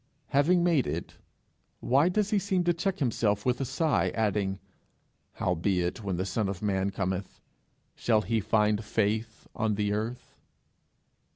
Having made it, why does he seem to check himself with a sigh, adding, Howbeit when the Son of Man cometh, shall he find faith on the earth?'